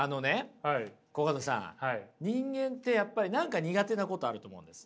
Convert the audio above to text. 人間ってやっぱり何か苦手なことあると思うんです。